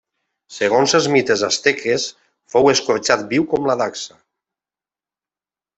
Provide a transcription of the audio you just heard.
Segons els mites asteques fou escorxat viu com a la dacsa.